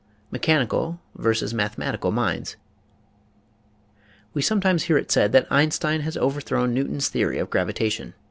MECHANICAL VERSUS MATHEMATICAL MINDS We sometimes hear it said that Einstein has over thrown Newton's theory of gravitation."